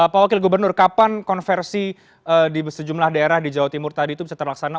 pak wakil gubernur kapan konversi di sejumlah daerah di jawa timur tadi itu bisa terlaksana